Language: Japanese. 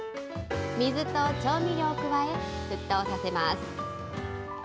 水と調味料を加え、沸騰させます。